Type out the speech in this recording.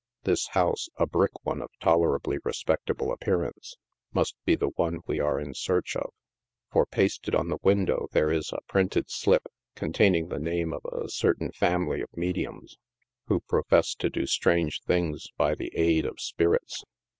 This house — a brick one, of tolerably respectable appearance — must be the one we are in search of, for pasted on the window there is a printed slip, containing the name of a certain family of mediums, who profess to do strange things by the aid of spirits.